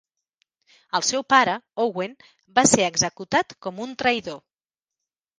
El seu pare, Owen, va ser executat com un traïdor.